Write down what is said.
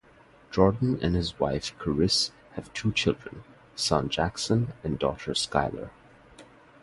Jordan and his wife Charrisse have two children, son Jackson and daughter Skylar.